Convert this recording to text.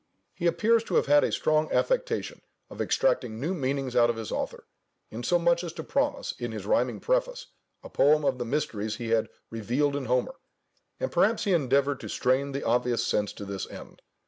He appears to have had a strong affectation of extracting new meanings out of his author; insomuch as to promise, in his rhyming preface, a poem of the mysteries he had revealed in Homer; and perhaps he endeavoured to strain the obvious sense to this end.